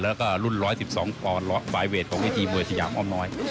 แล้วก็รุ่น๑๑๒ของวิธีมวยสยามออมน้อย